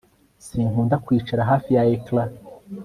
Sinkunda kwicara hafi ya ecran